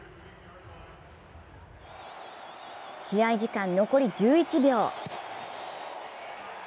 試合時間残り１１秒。